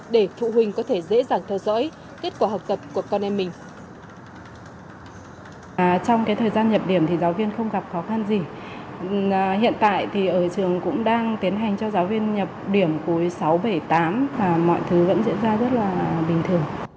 để phụ huynh có thể dễ dàng theo dõi kết quả học tập của con em mình